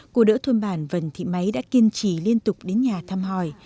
cô đỡ thuân bản vân thị máy đã kiên trì liên tục đến nhà thăm hỏi